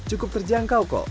cukup terjangkau kok